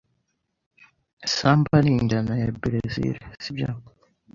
Samba ni injyana ya Berezile, sibyo?